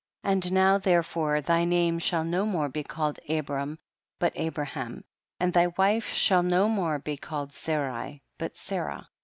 19. And now therefore thy name shall no more be called Abram but Abraham, and thy wife shall no more be called Sarai but Sarah.